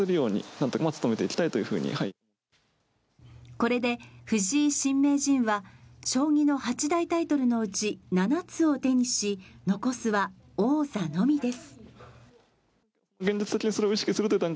これで藤井新名人は将棋の八大タイトルのうち、七つを手にし残すは王座のみです